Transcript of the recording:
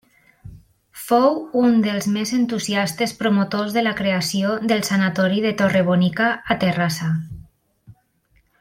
Fou un dels més entusiastes promotors de la creació del sanatori de Torrebonica a Terrassa.